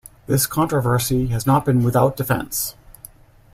This controversy has not been without defense.